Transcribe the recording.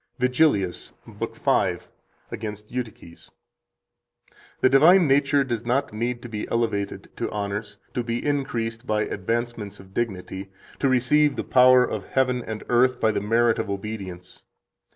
62 VIGILIUS, lib. 5, Against Eutyches (Ep. 66 sq., ed. Divion., 1664.4): "The divine nature does not need to be elevated to honors, to be increased by advancements of dignity, to receive the power of heaven and earth by the merit of obedience.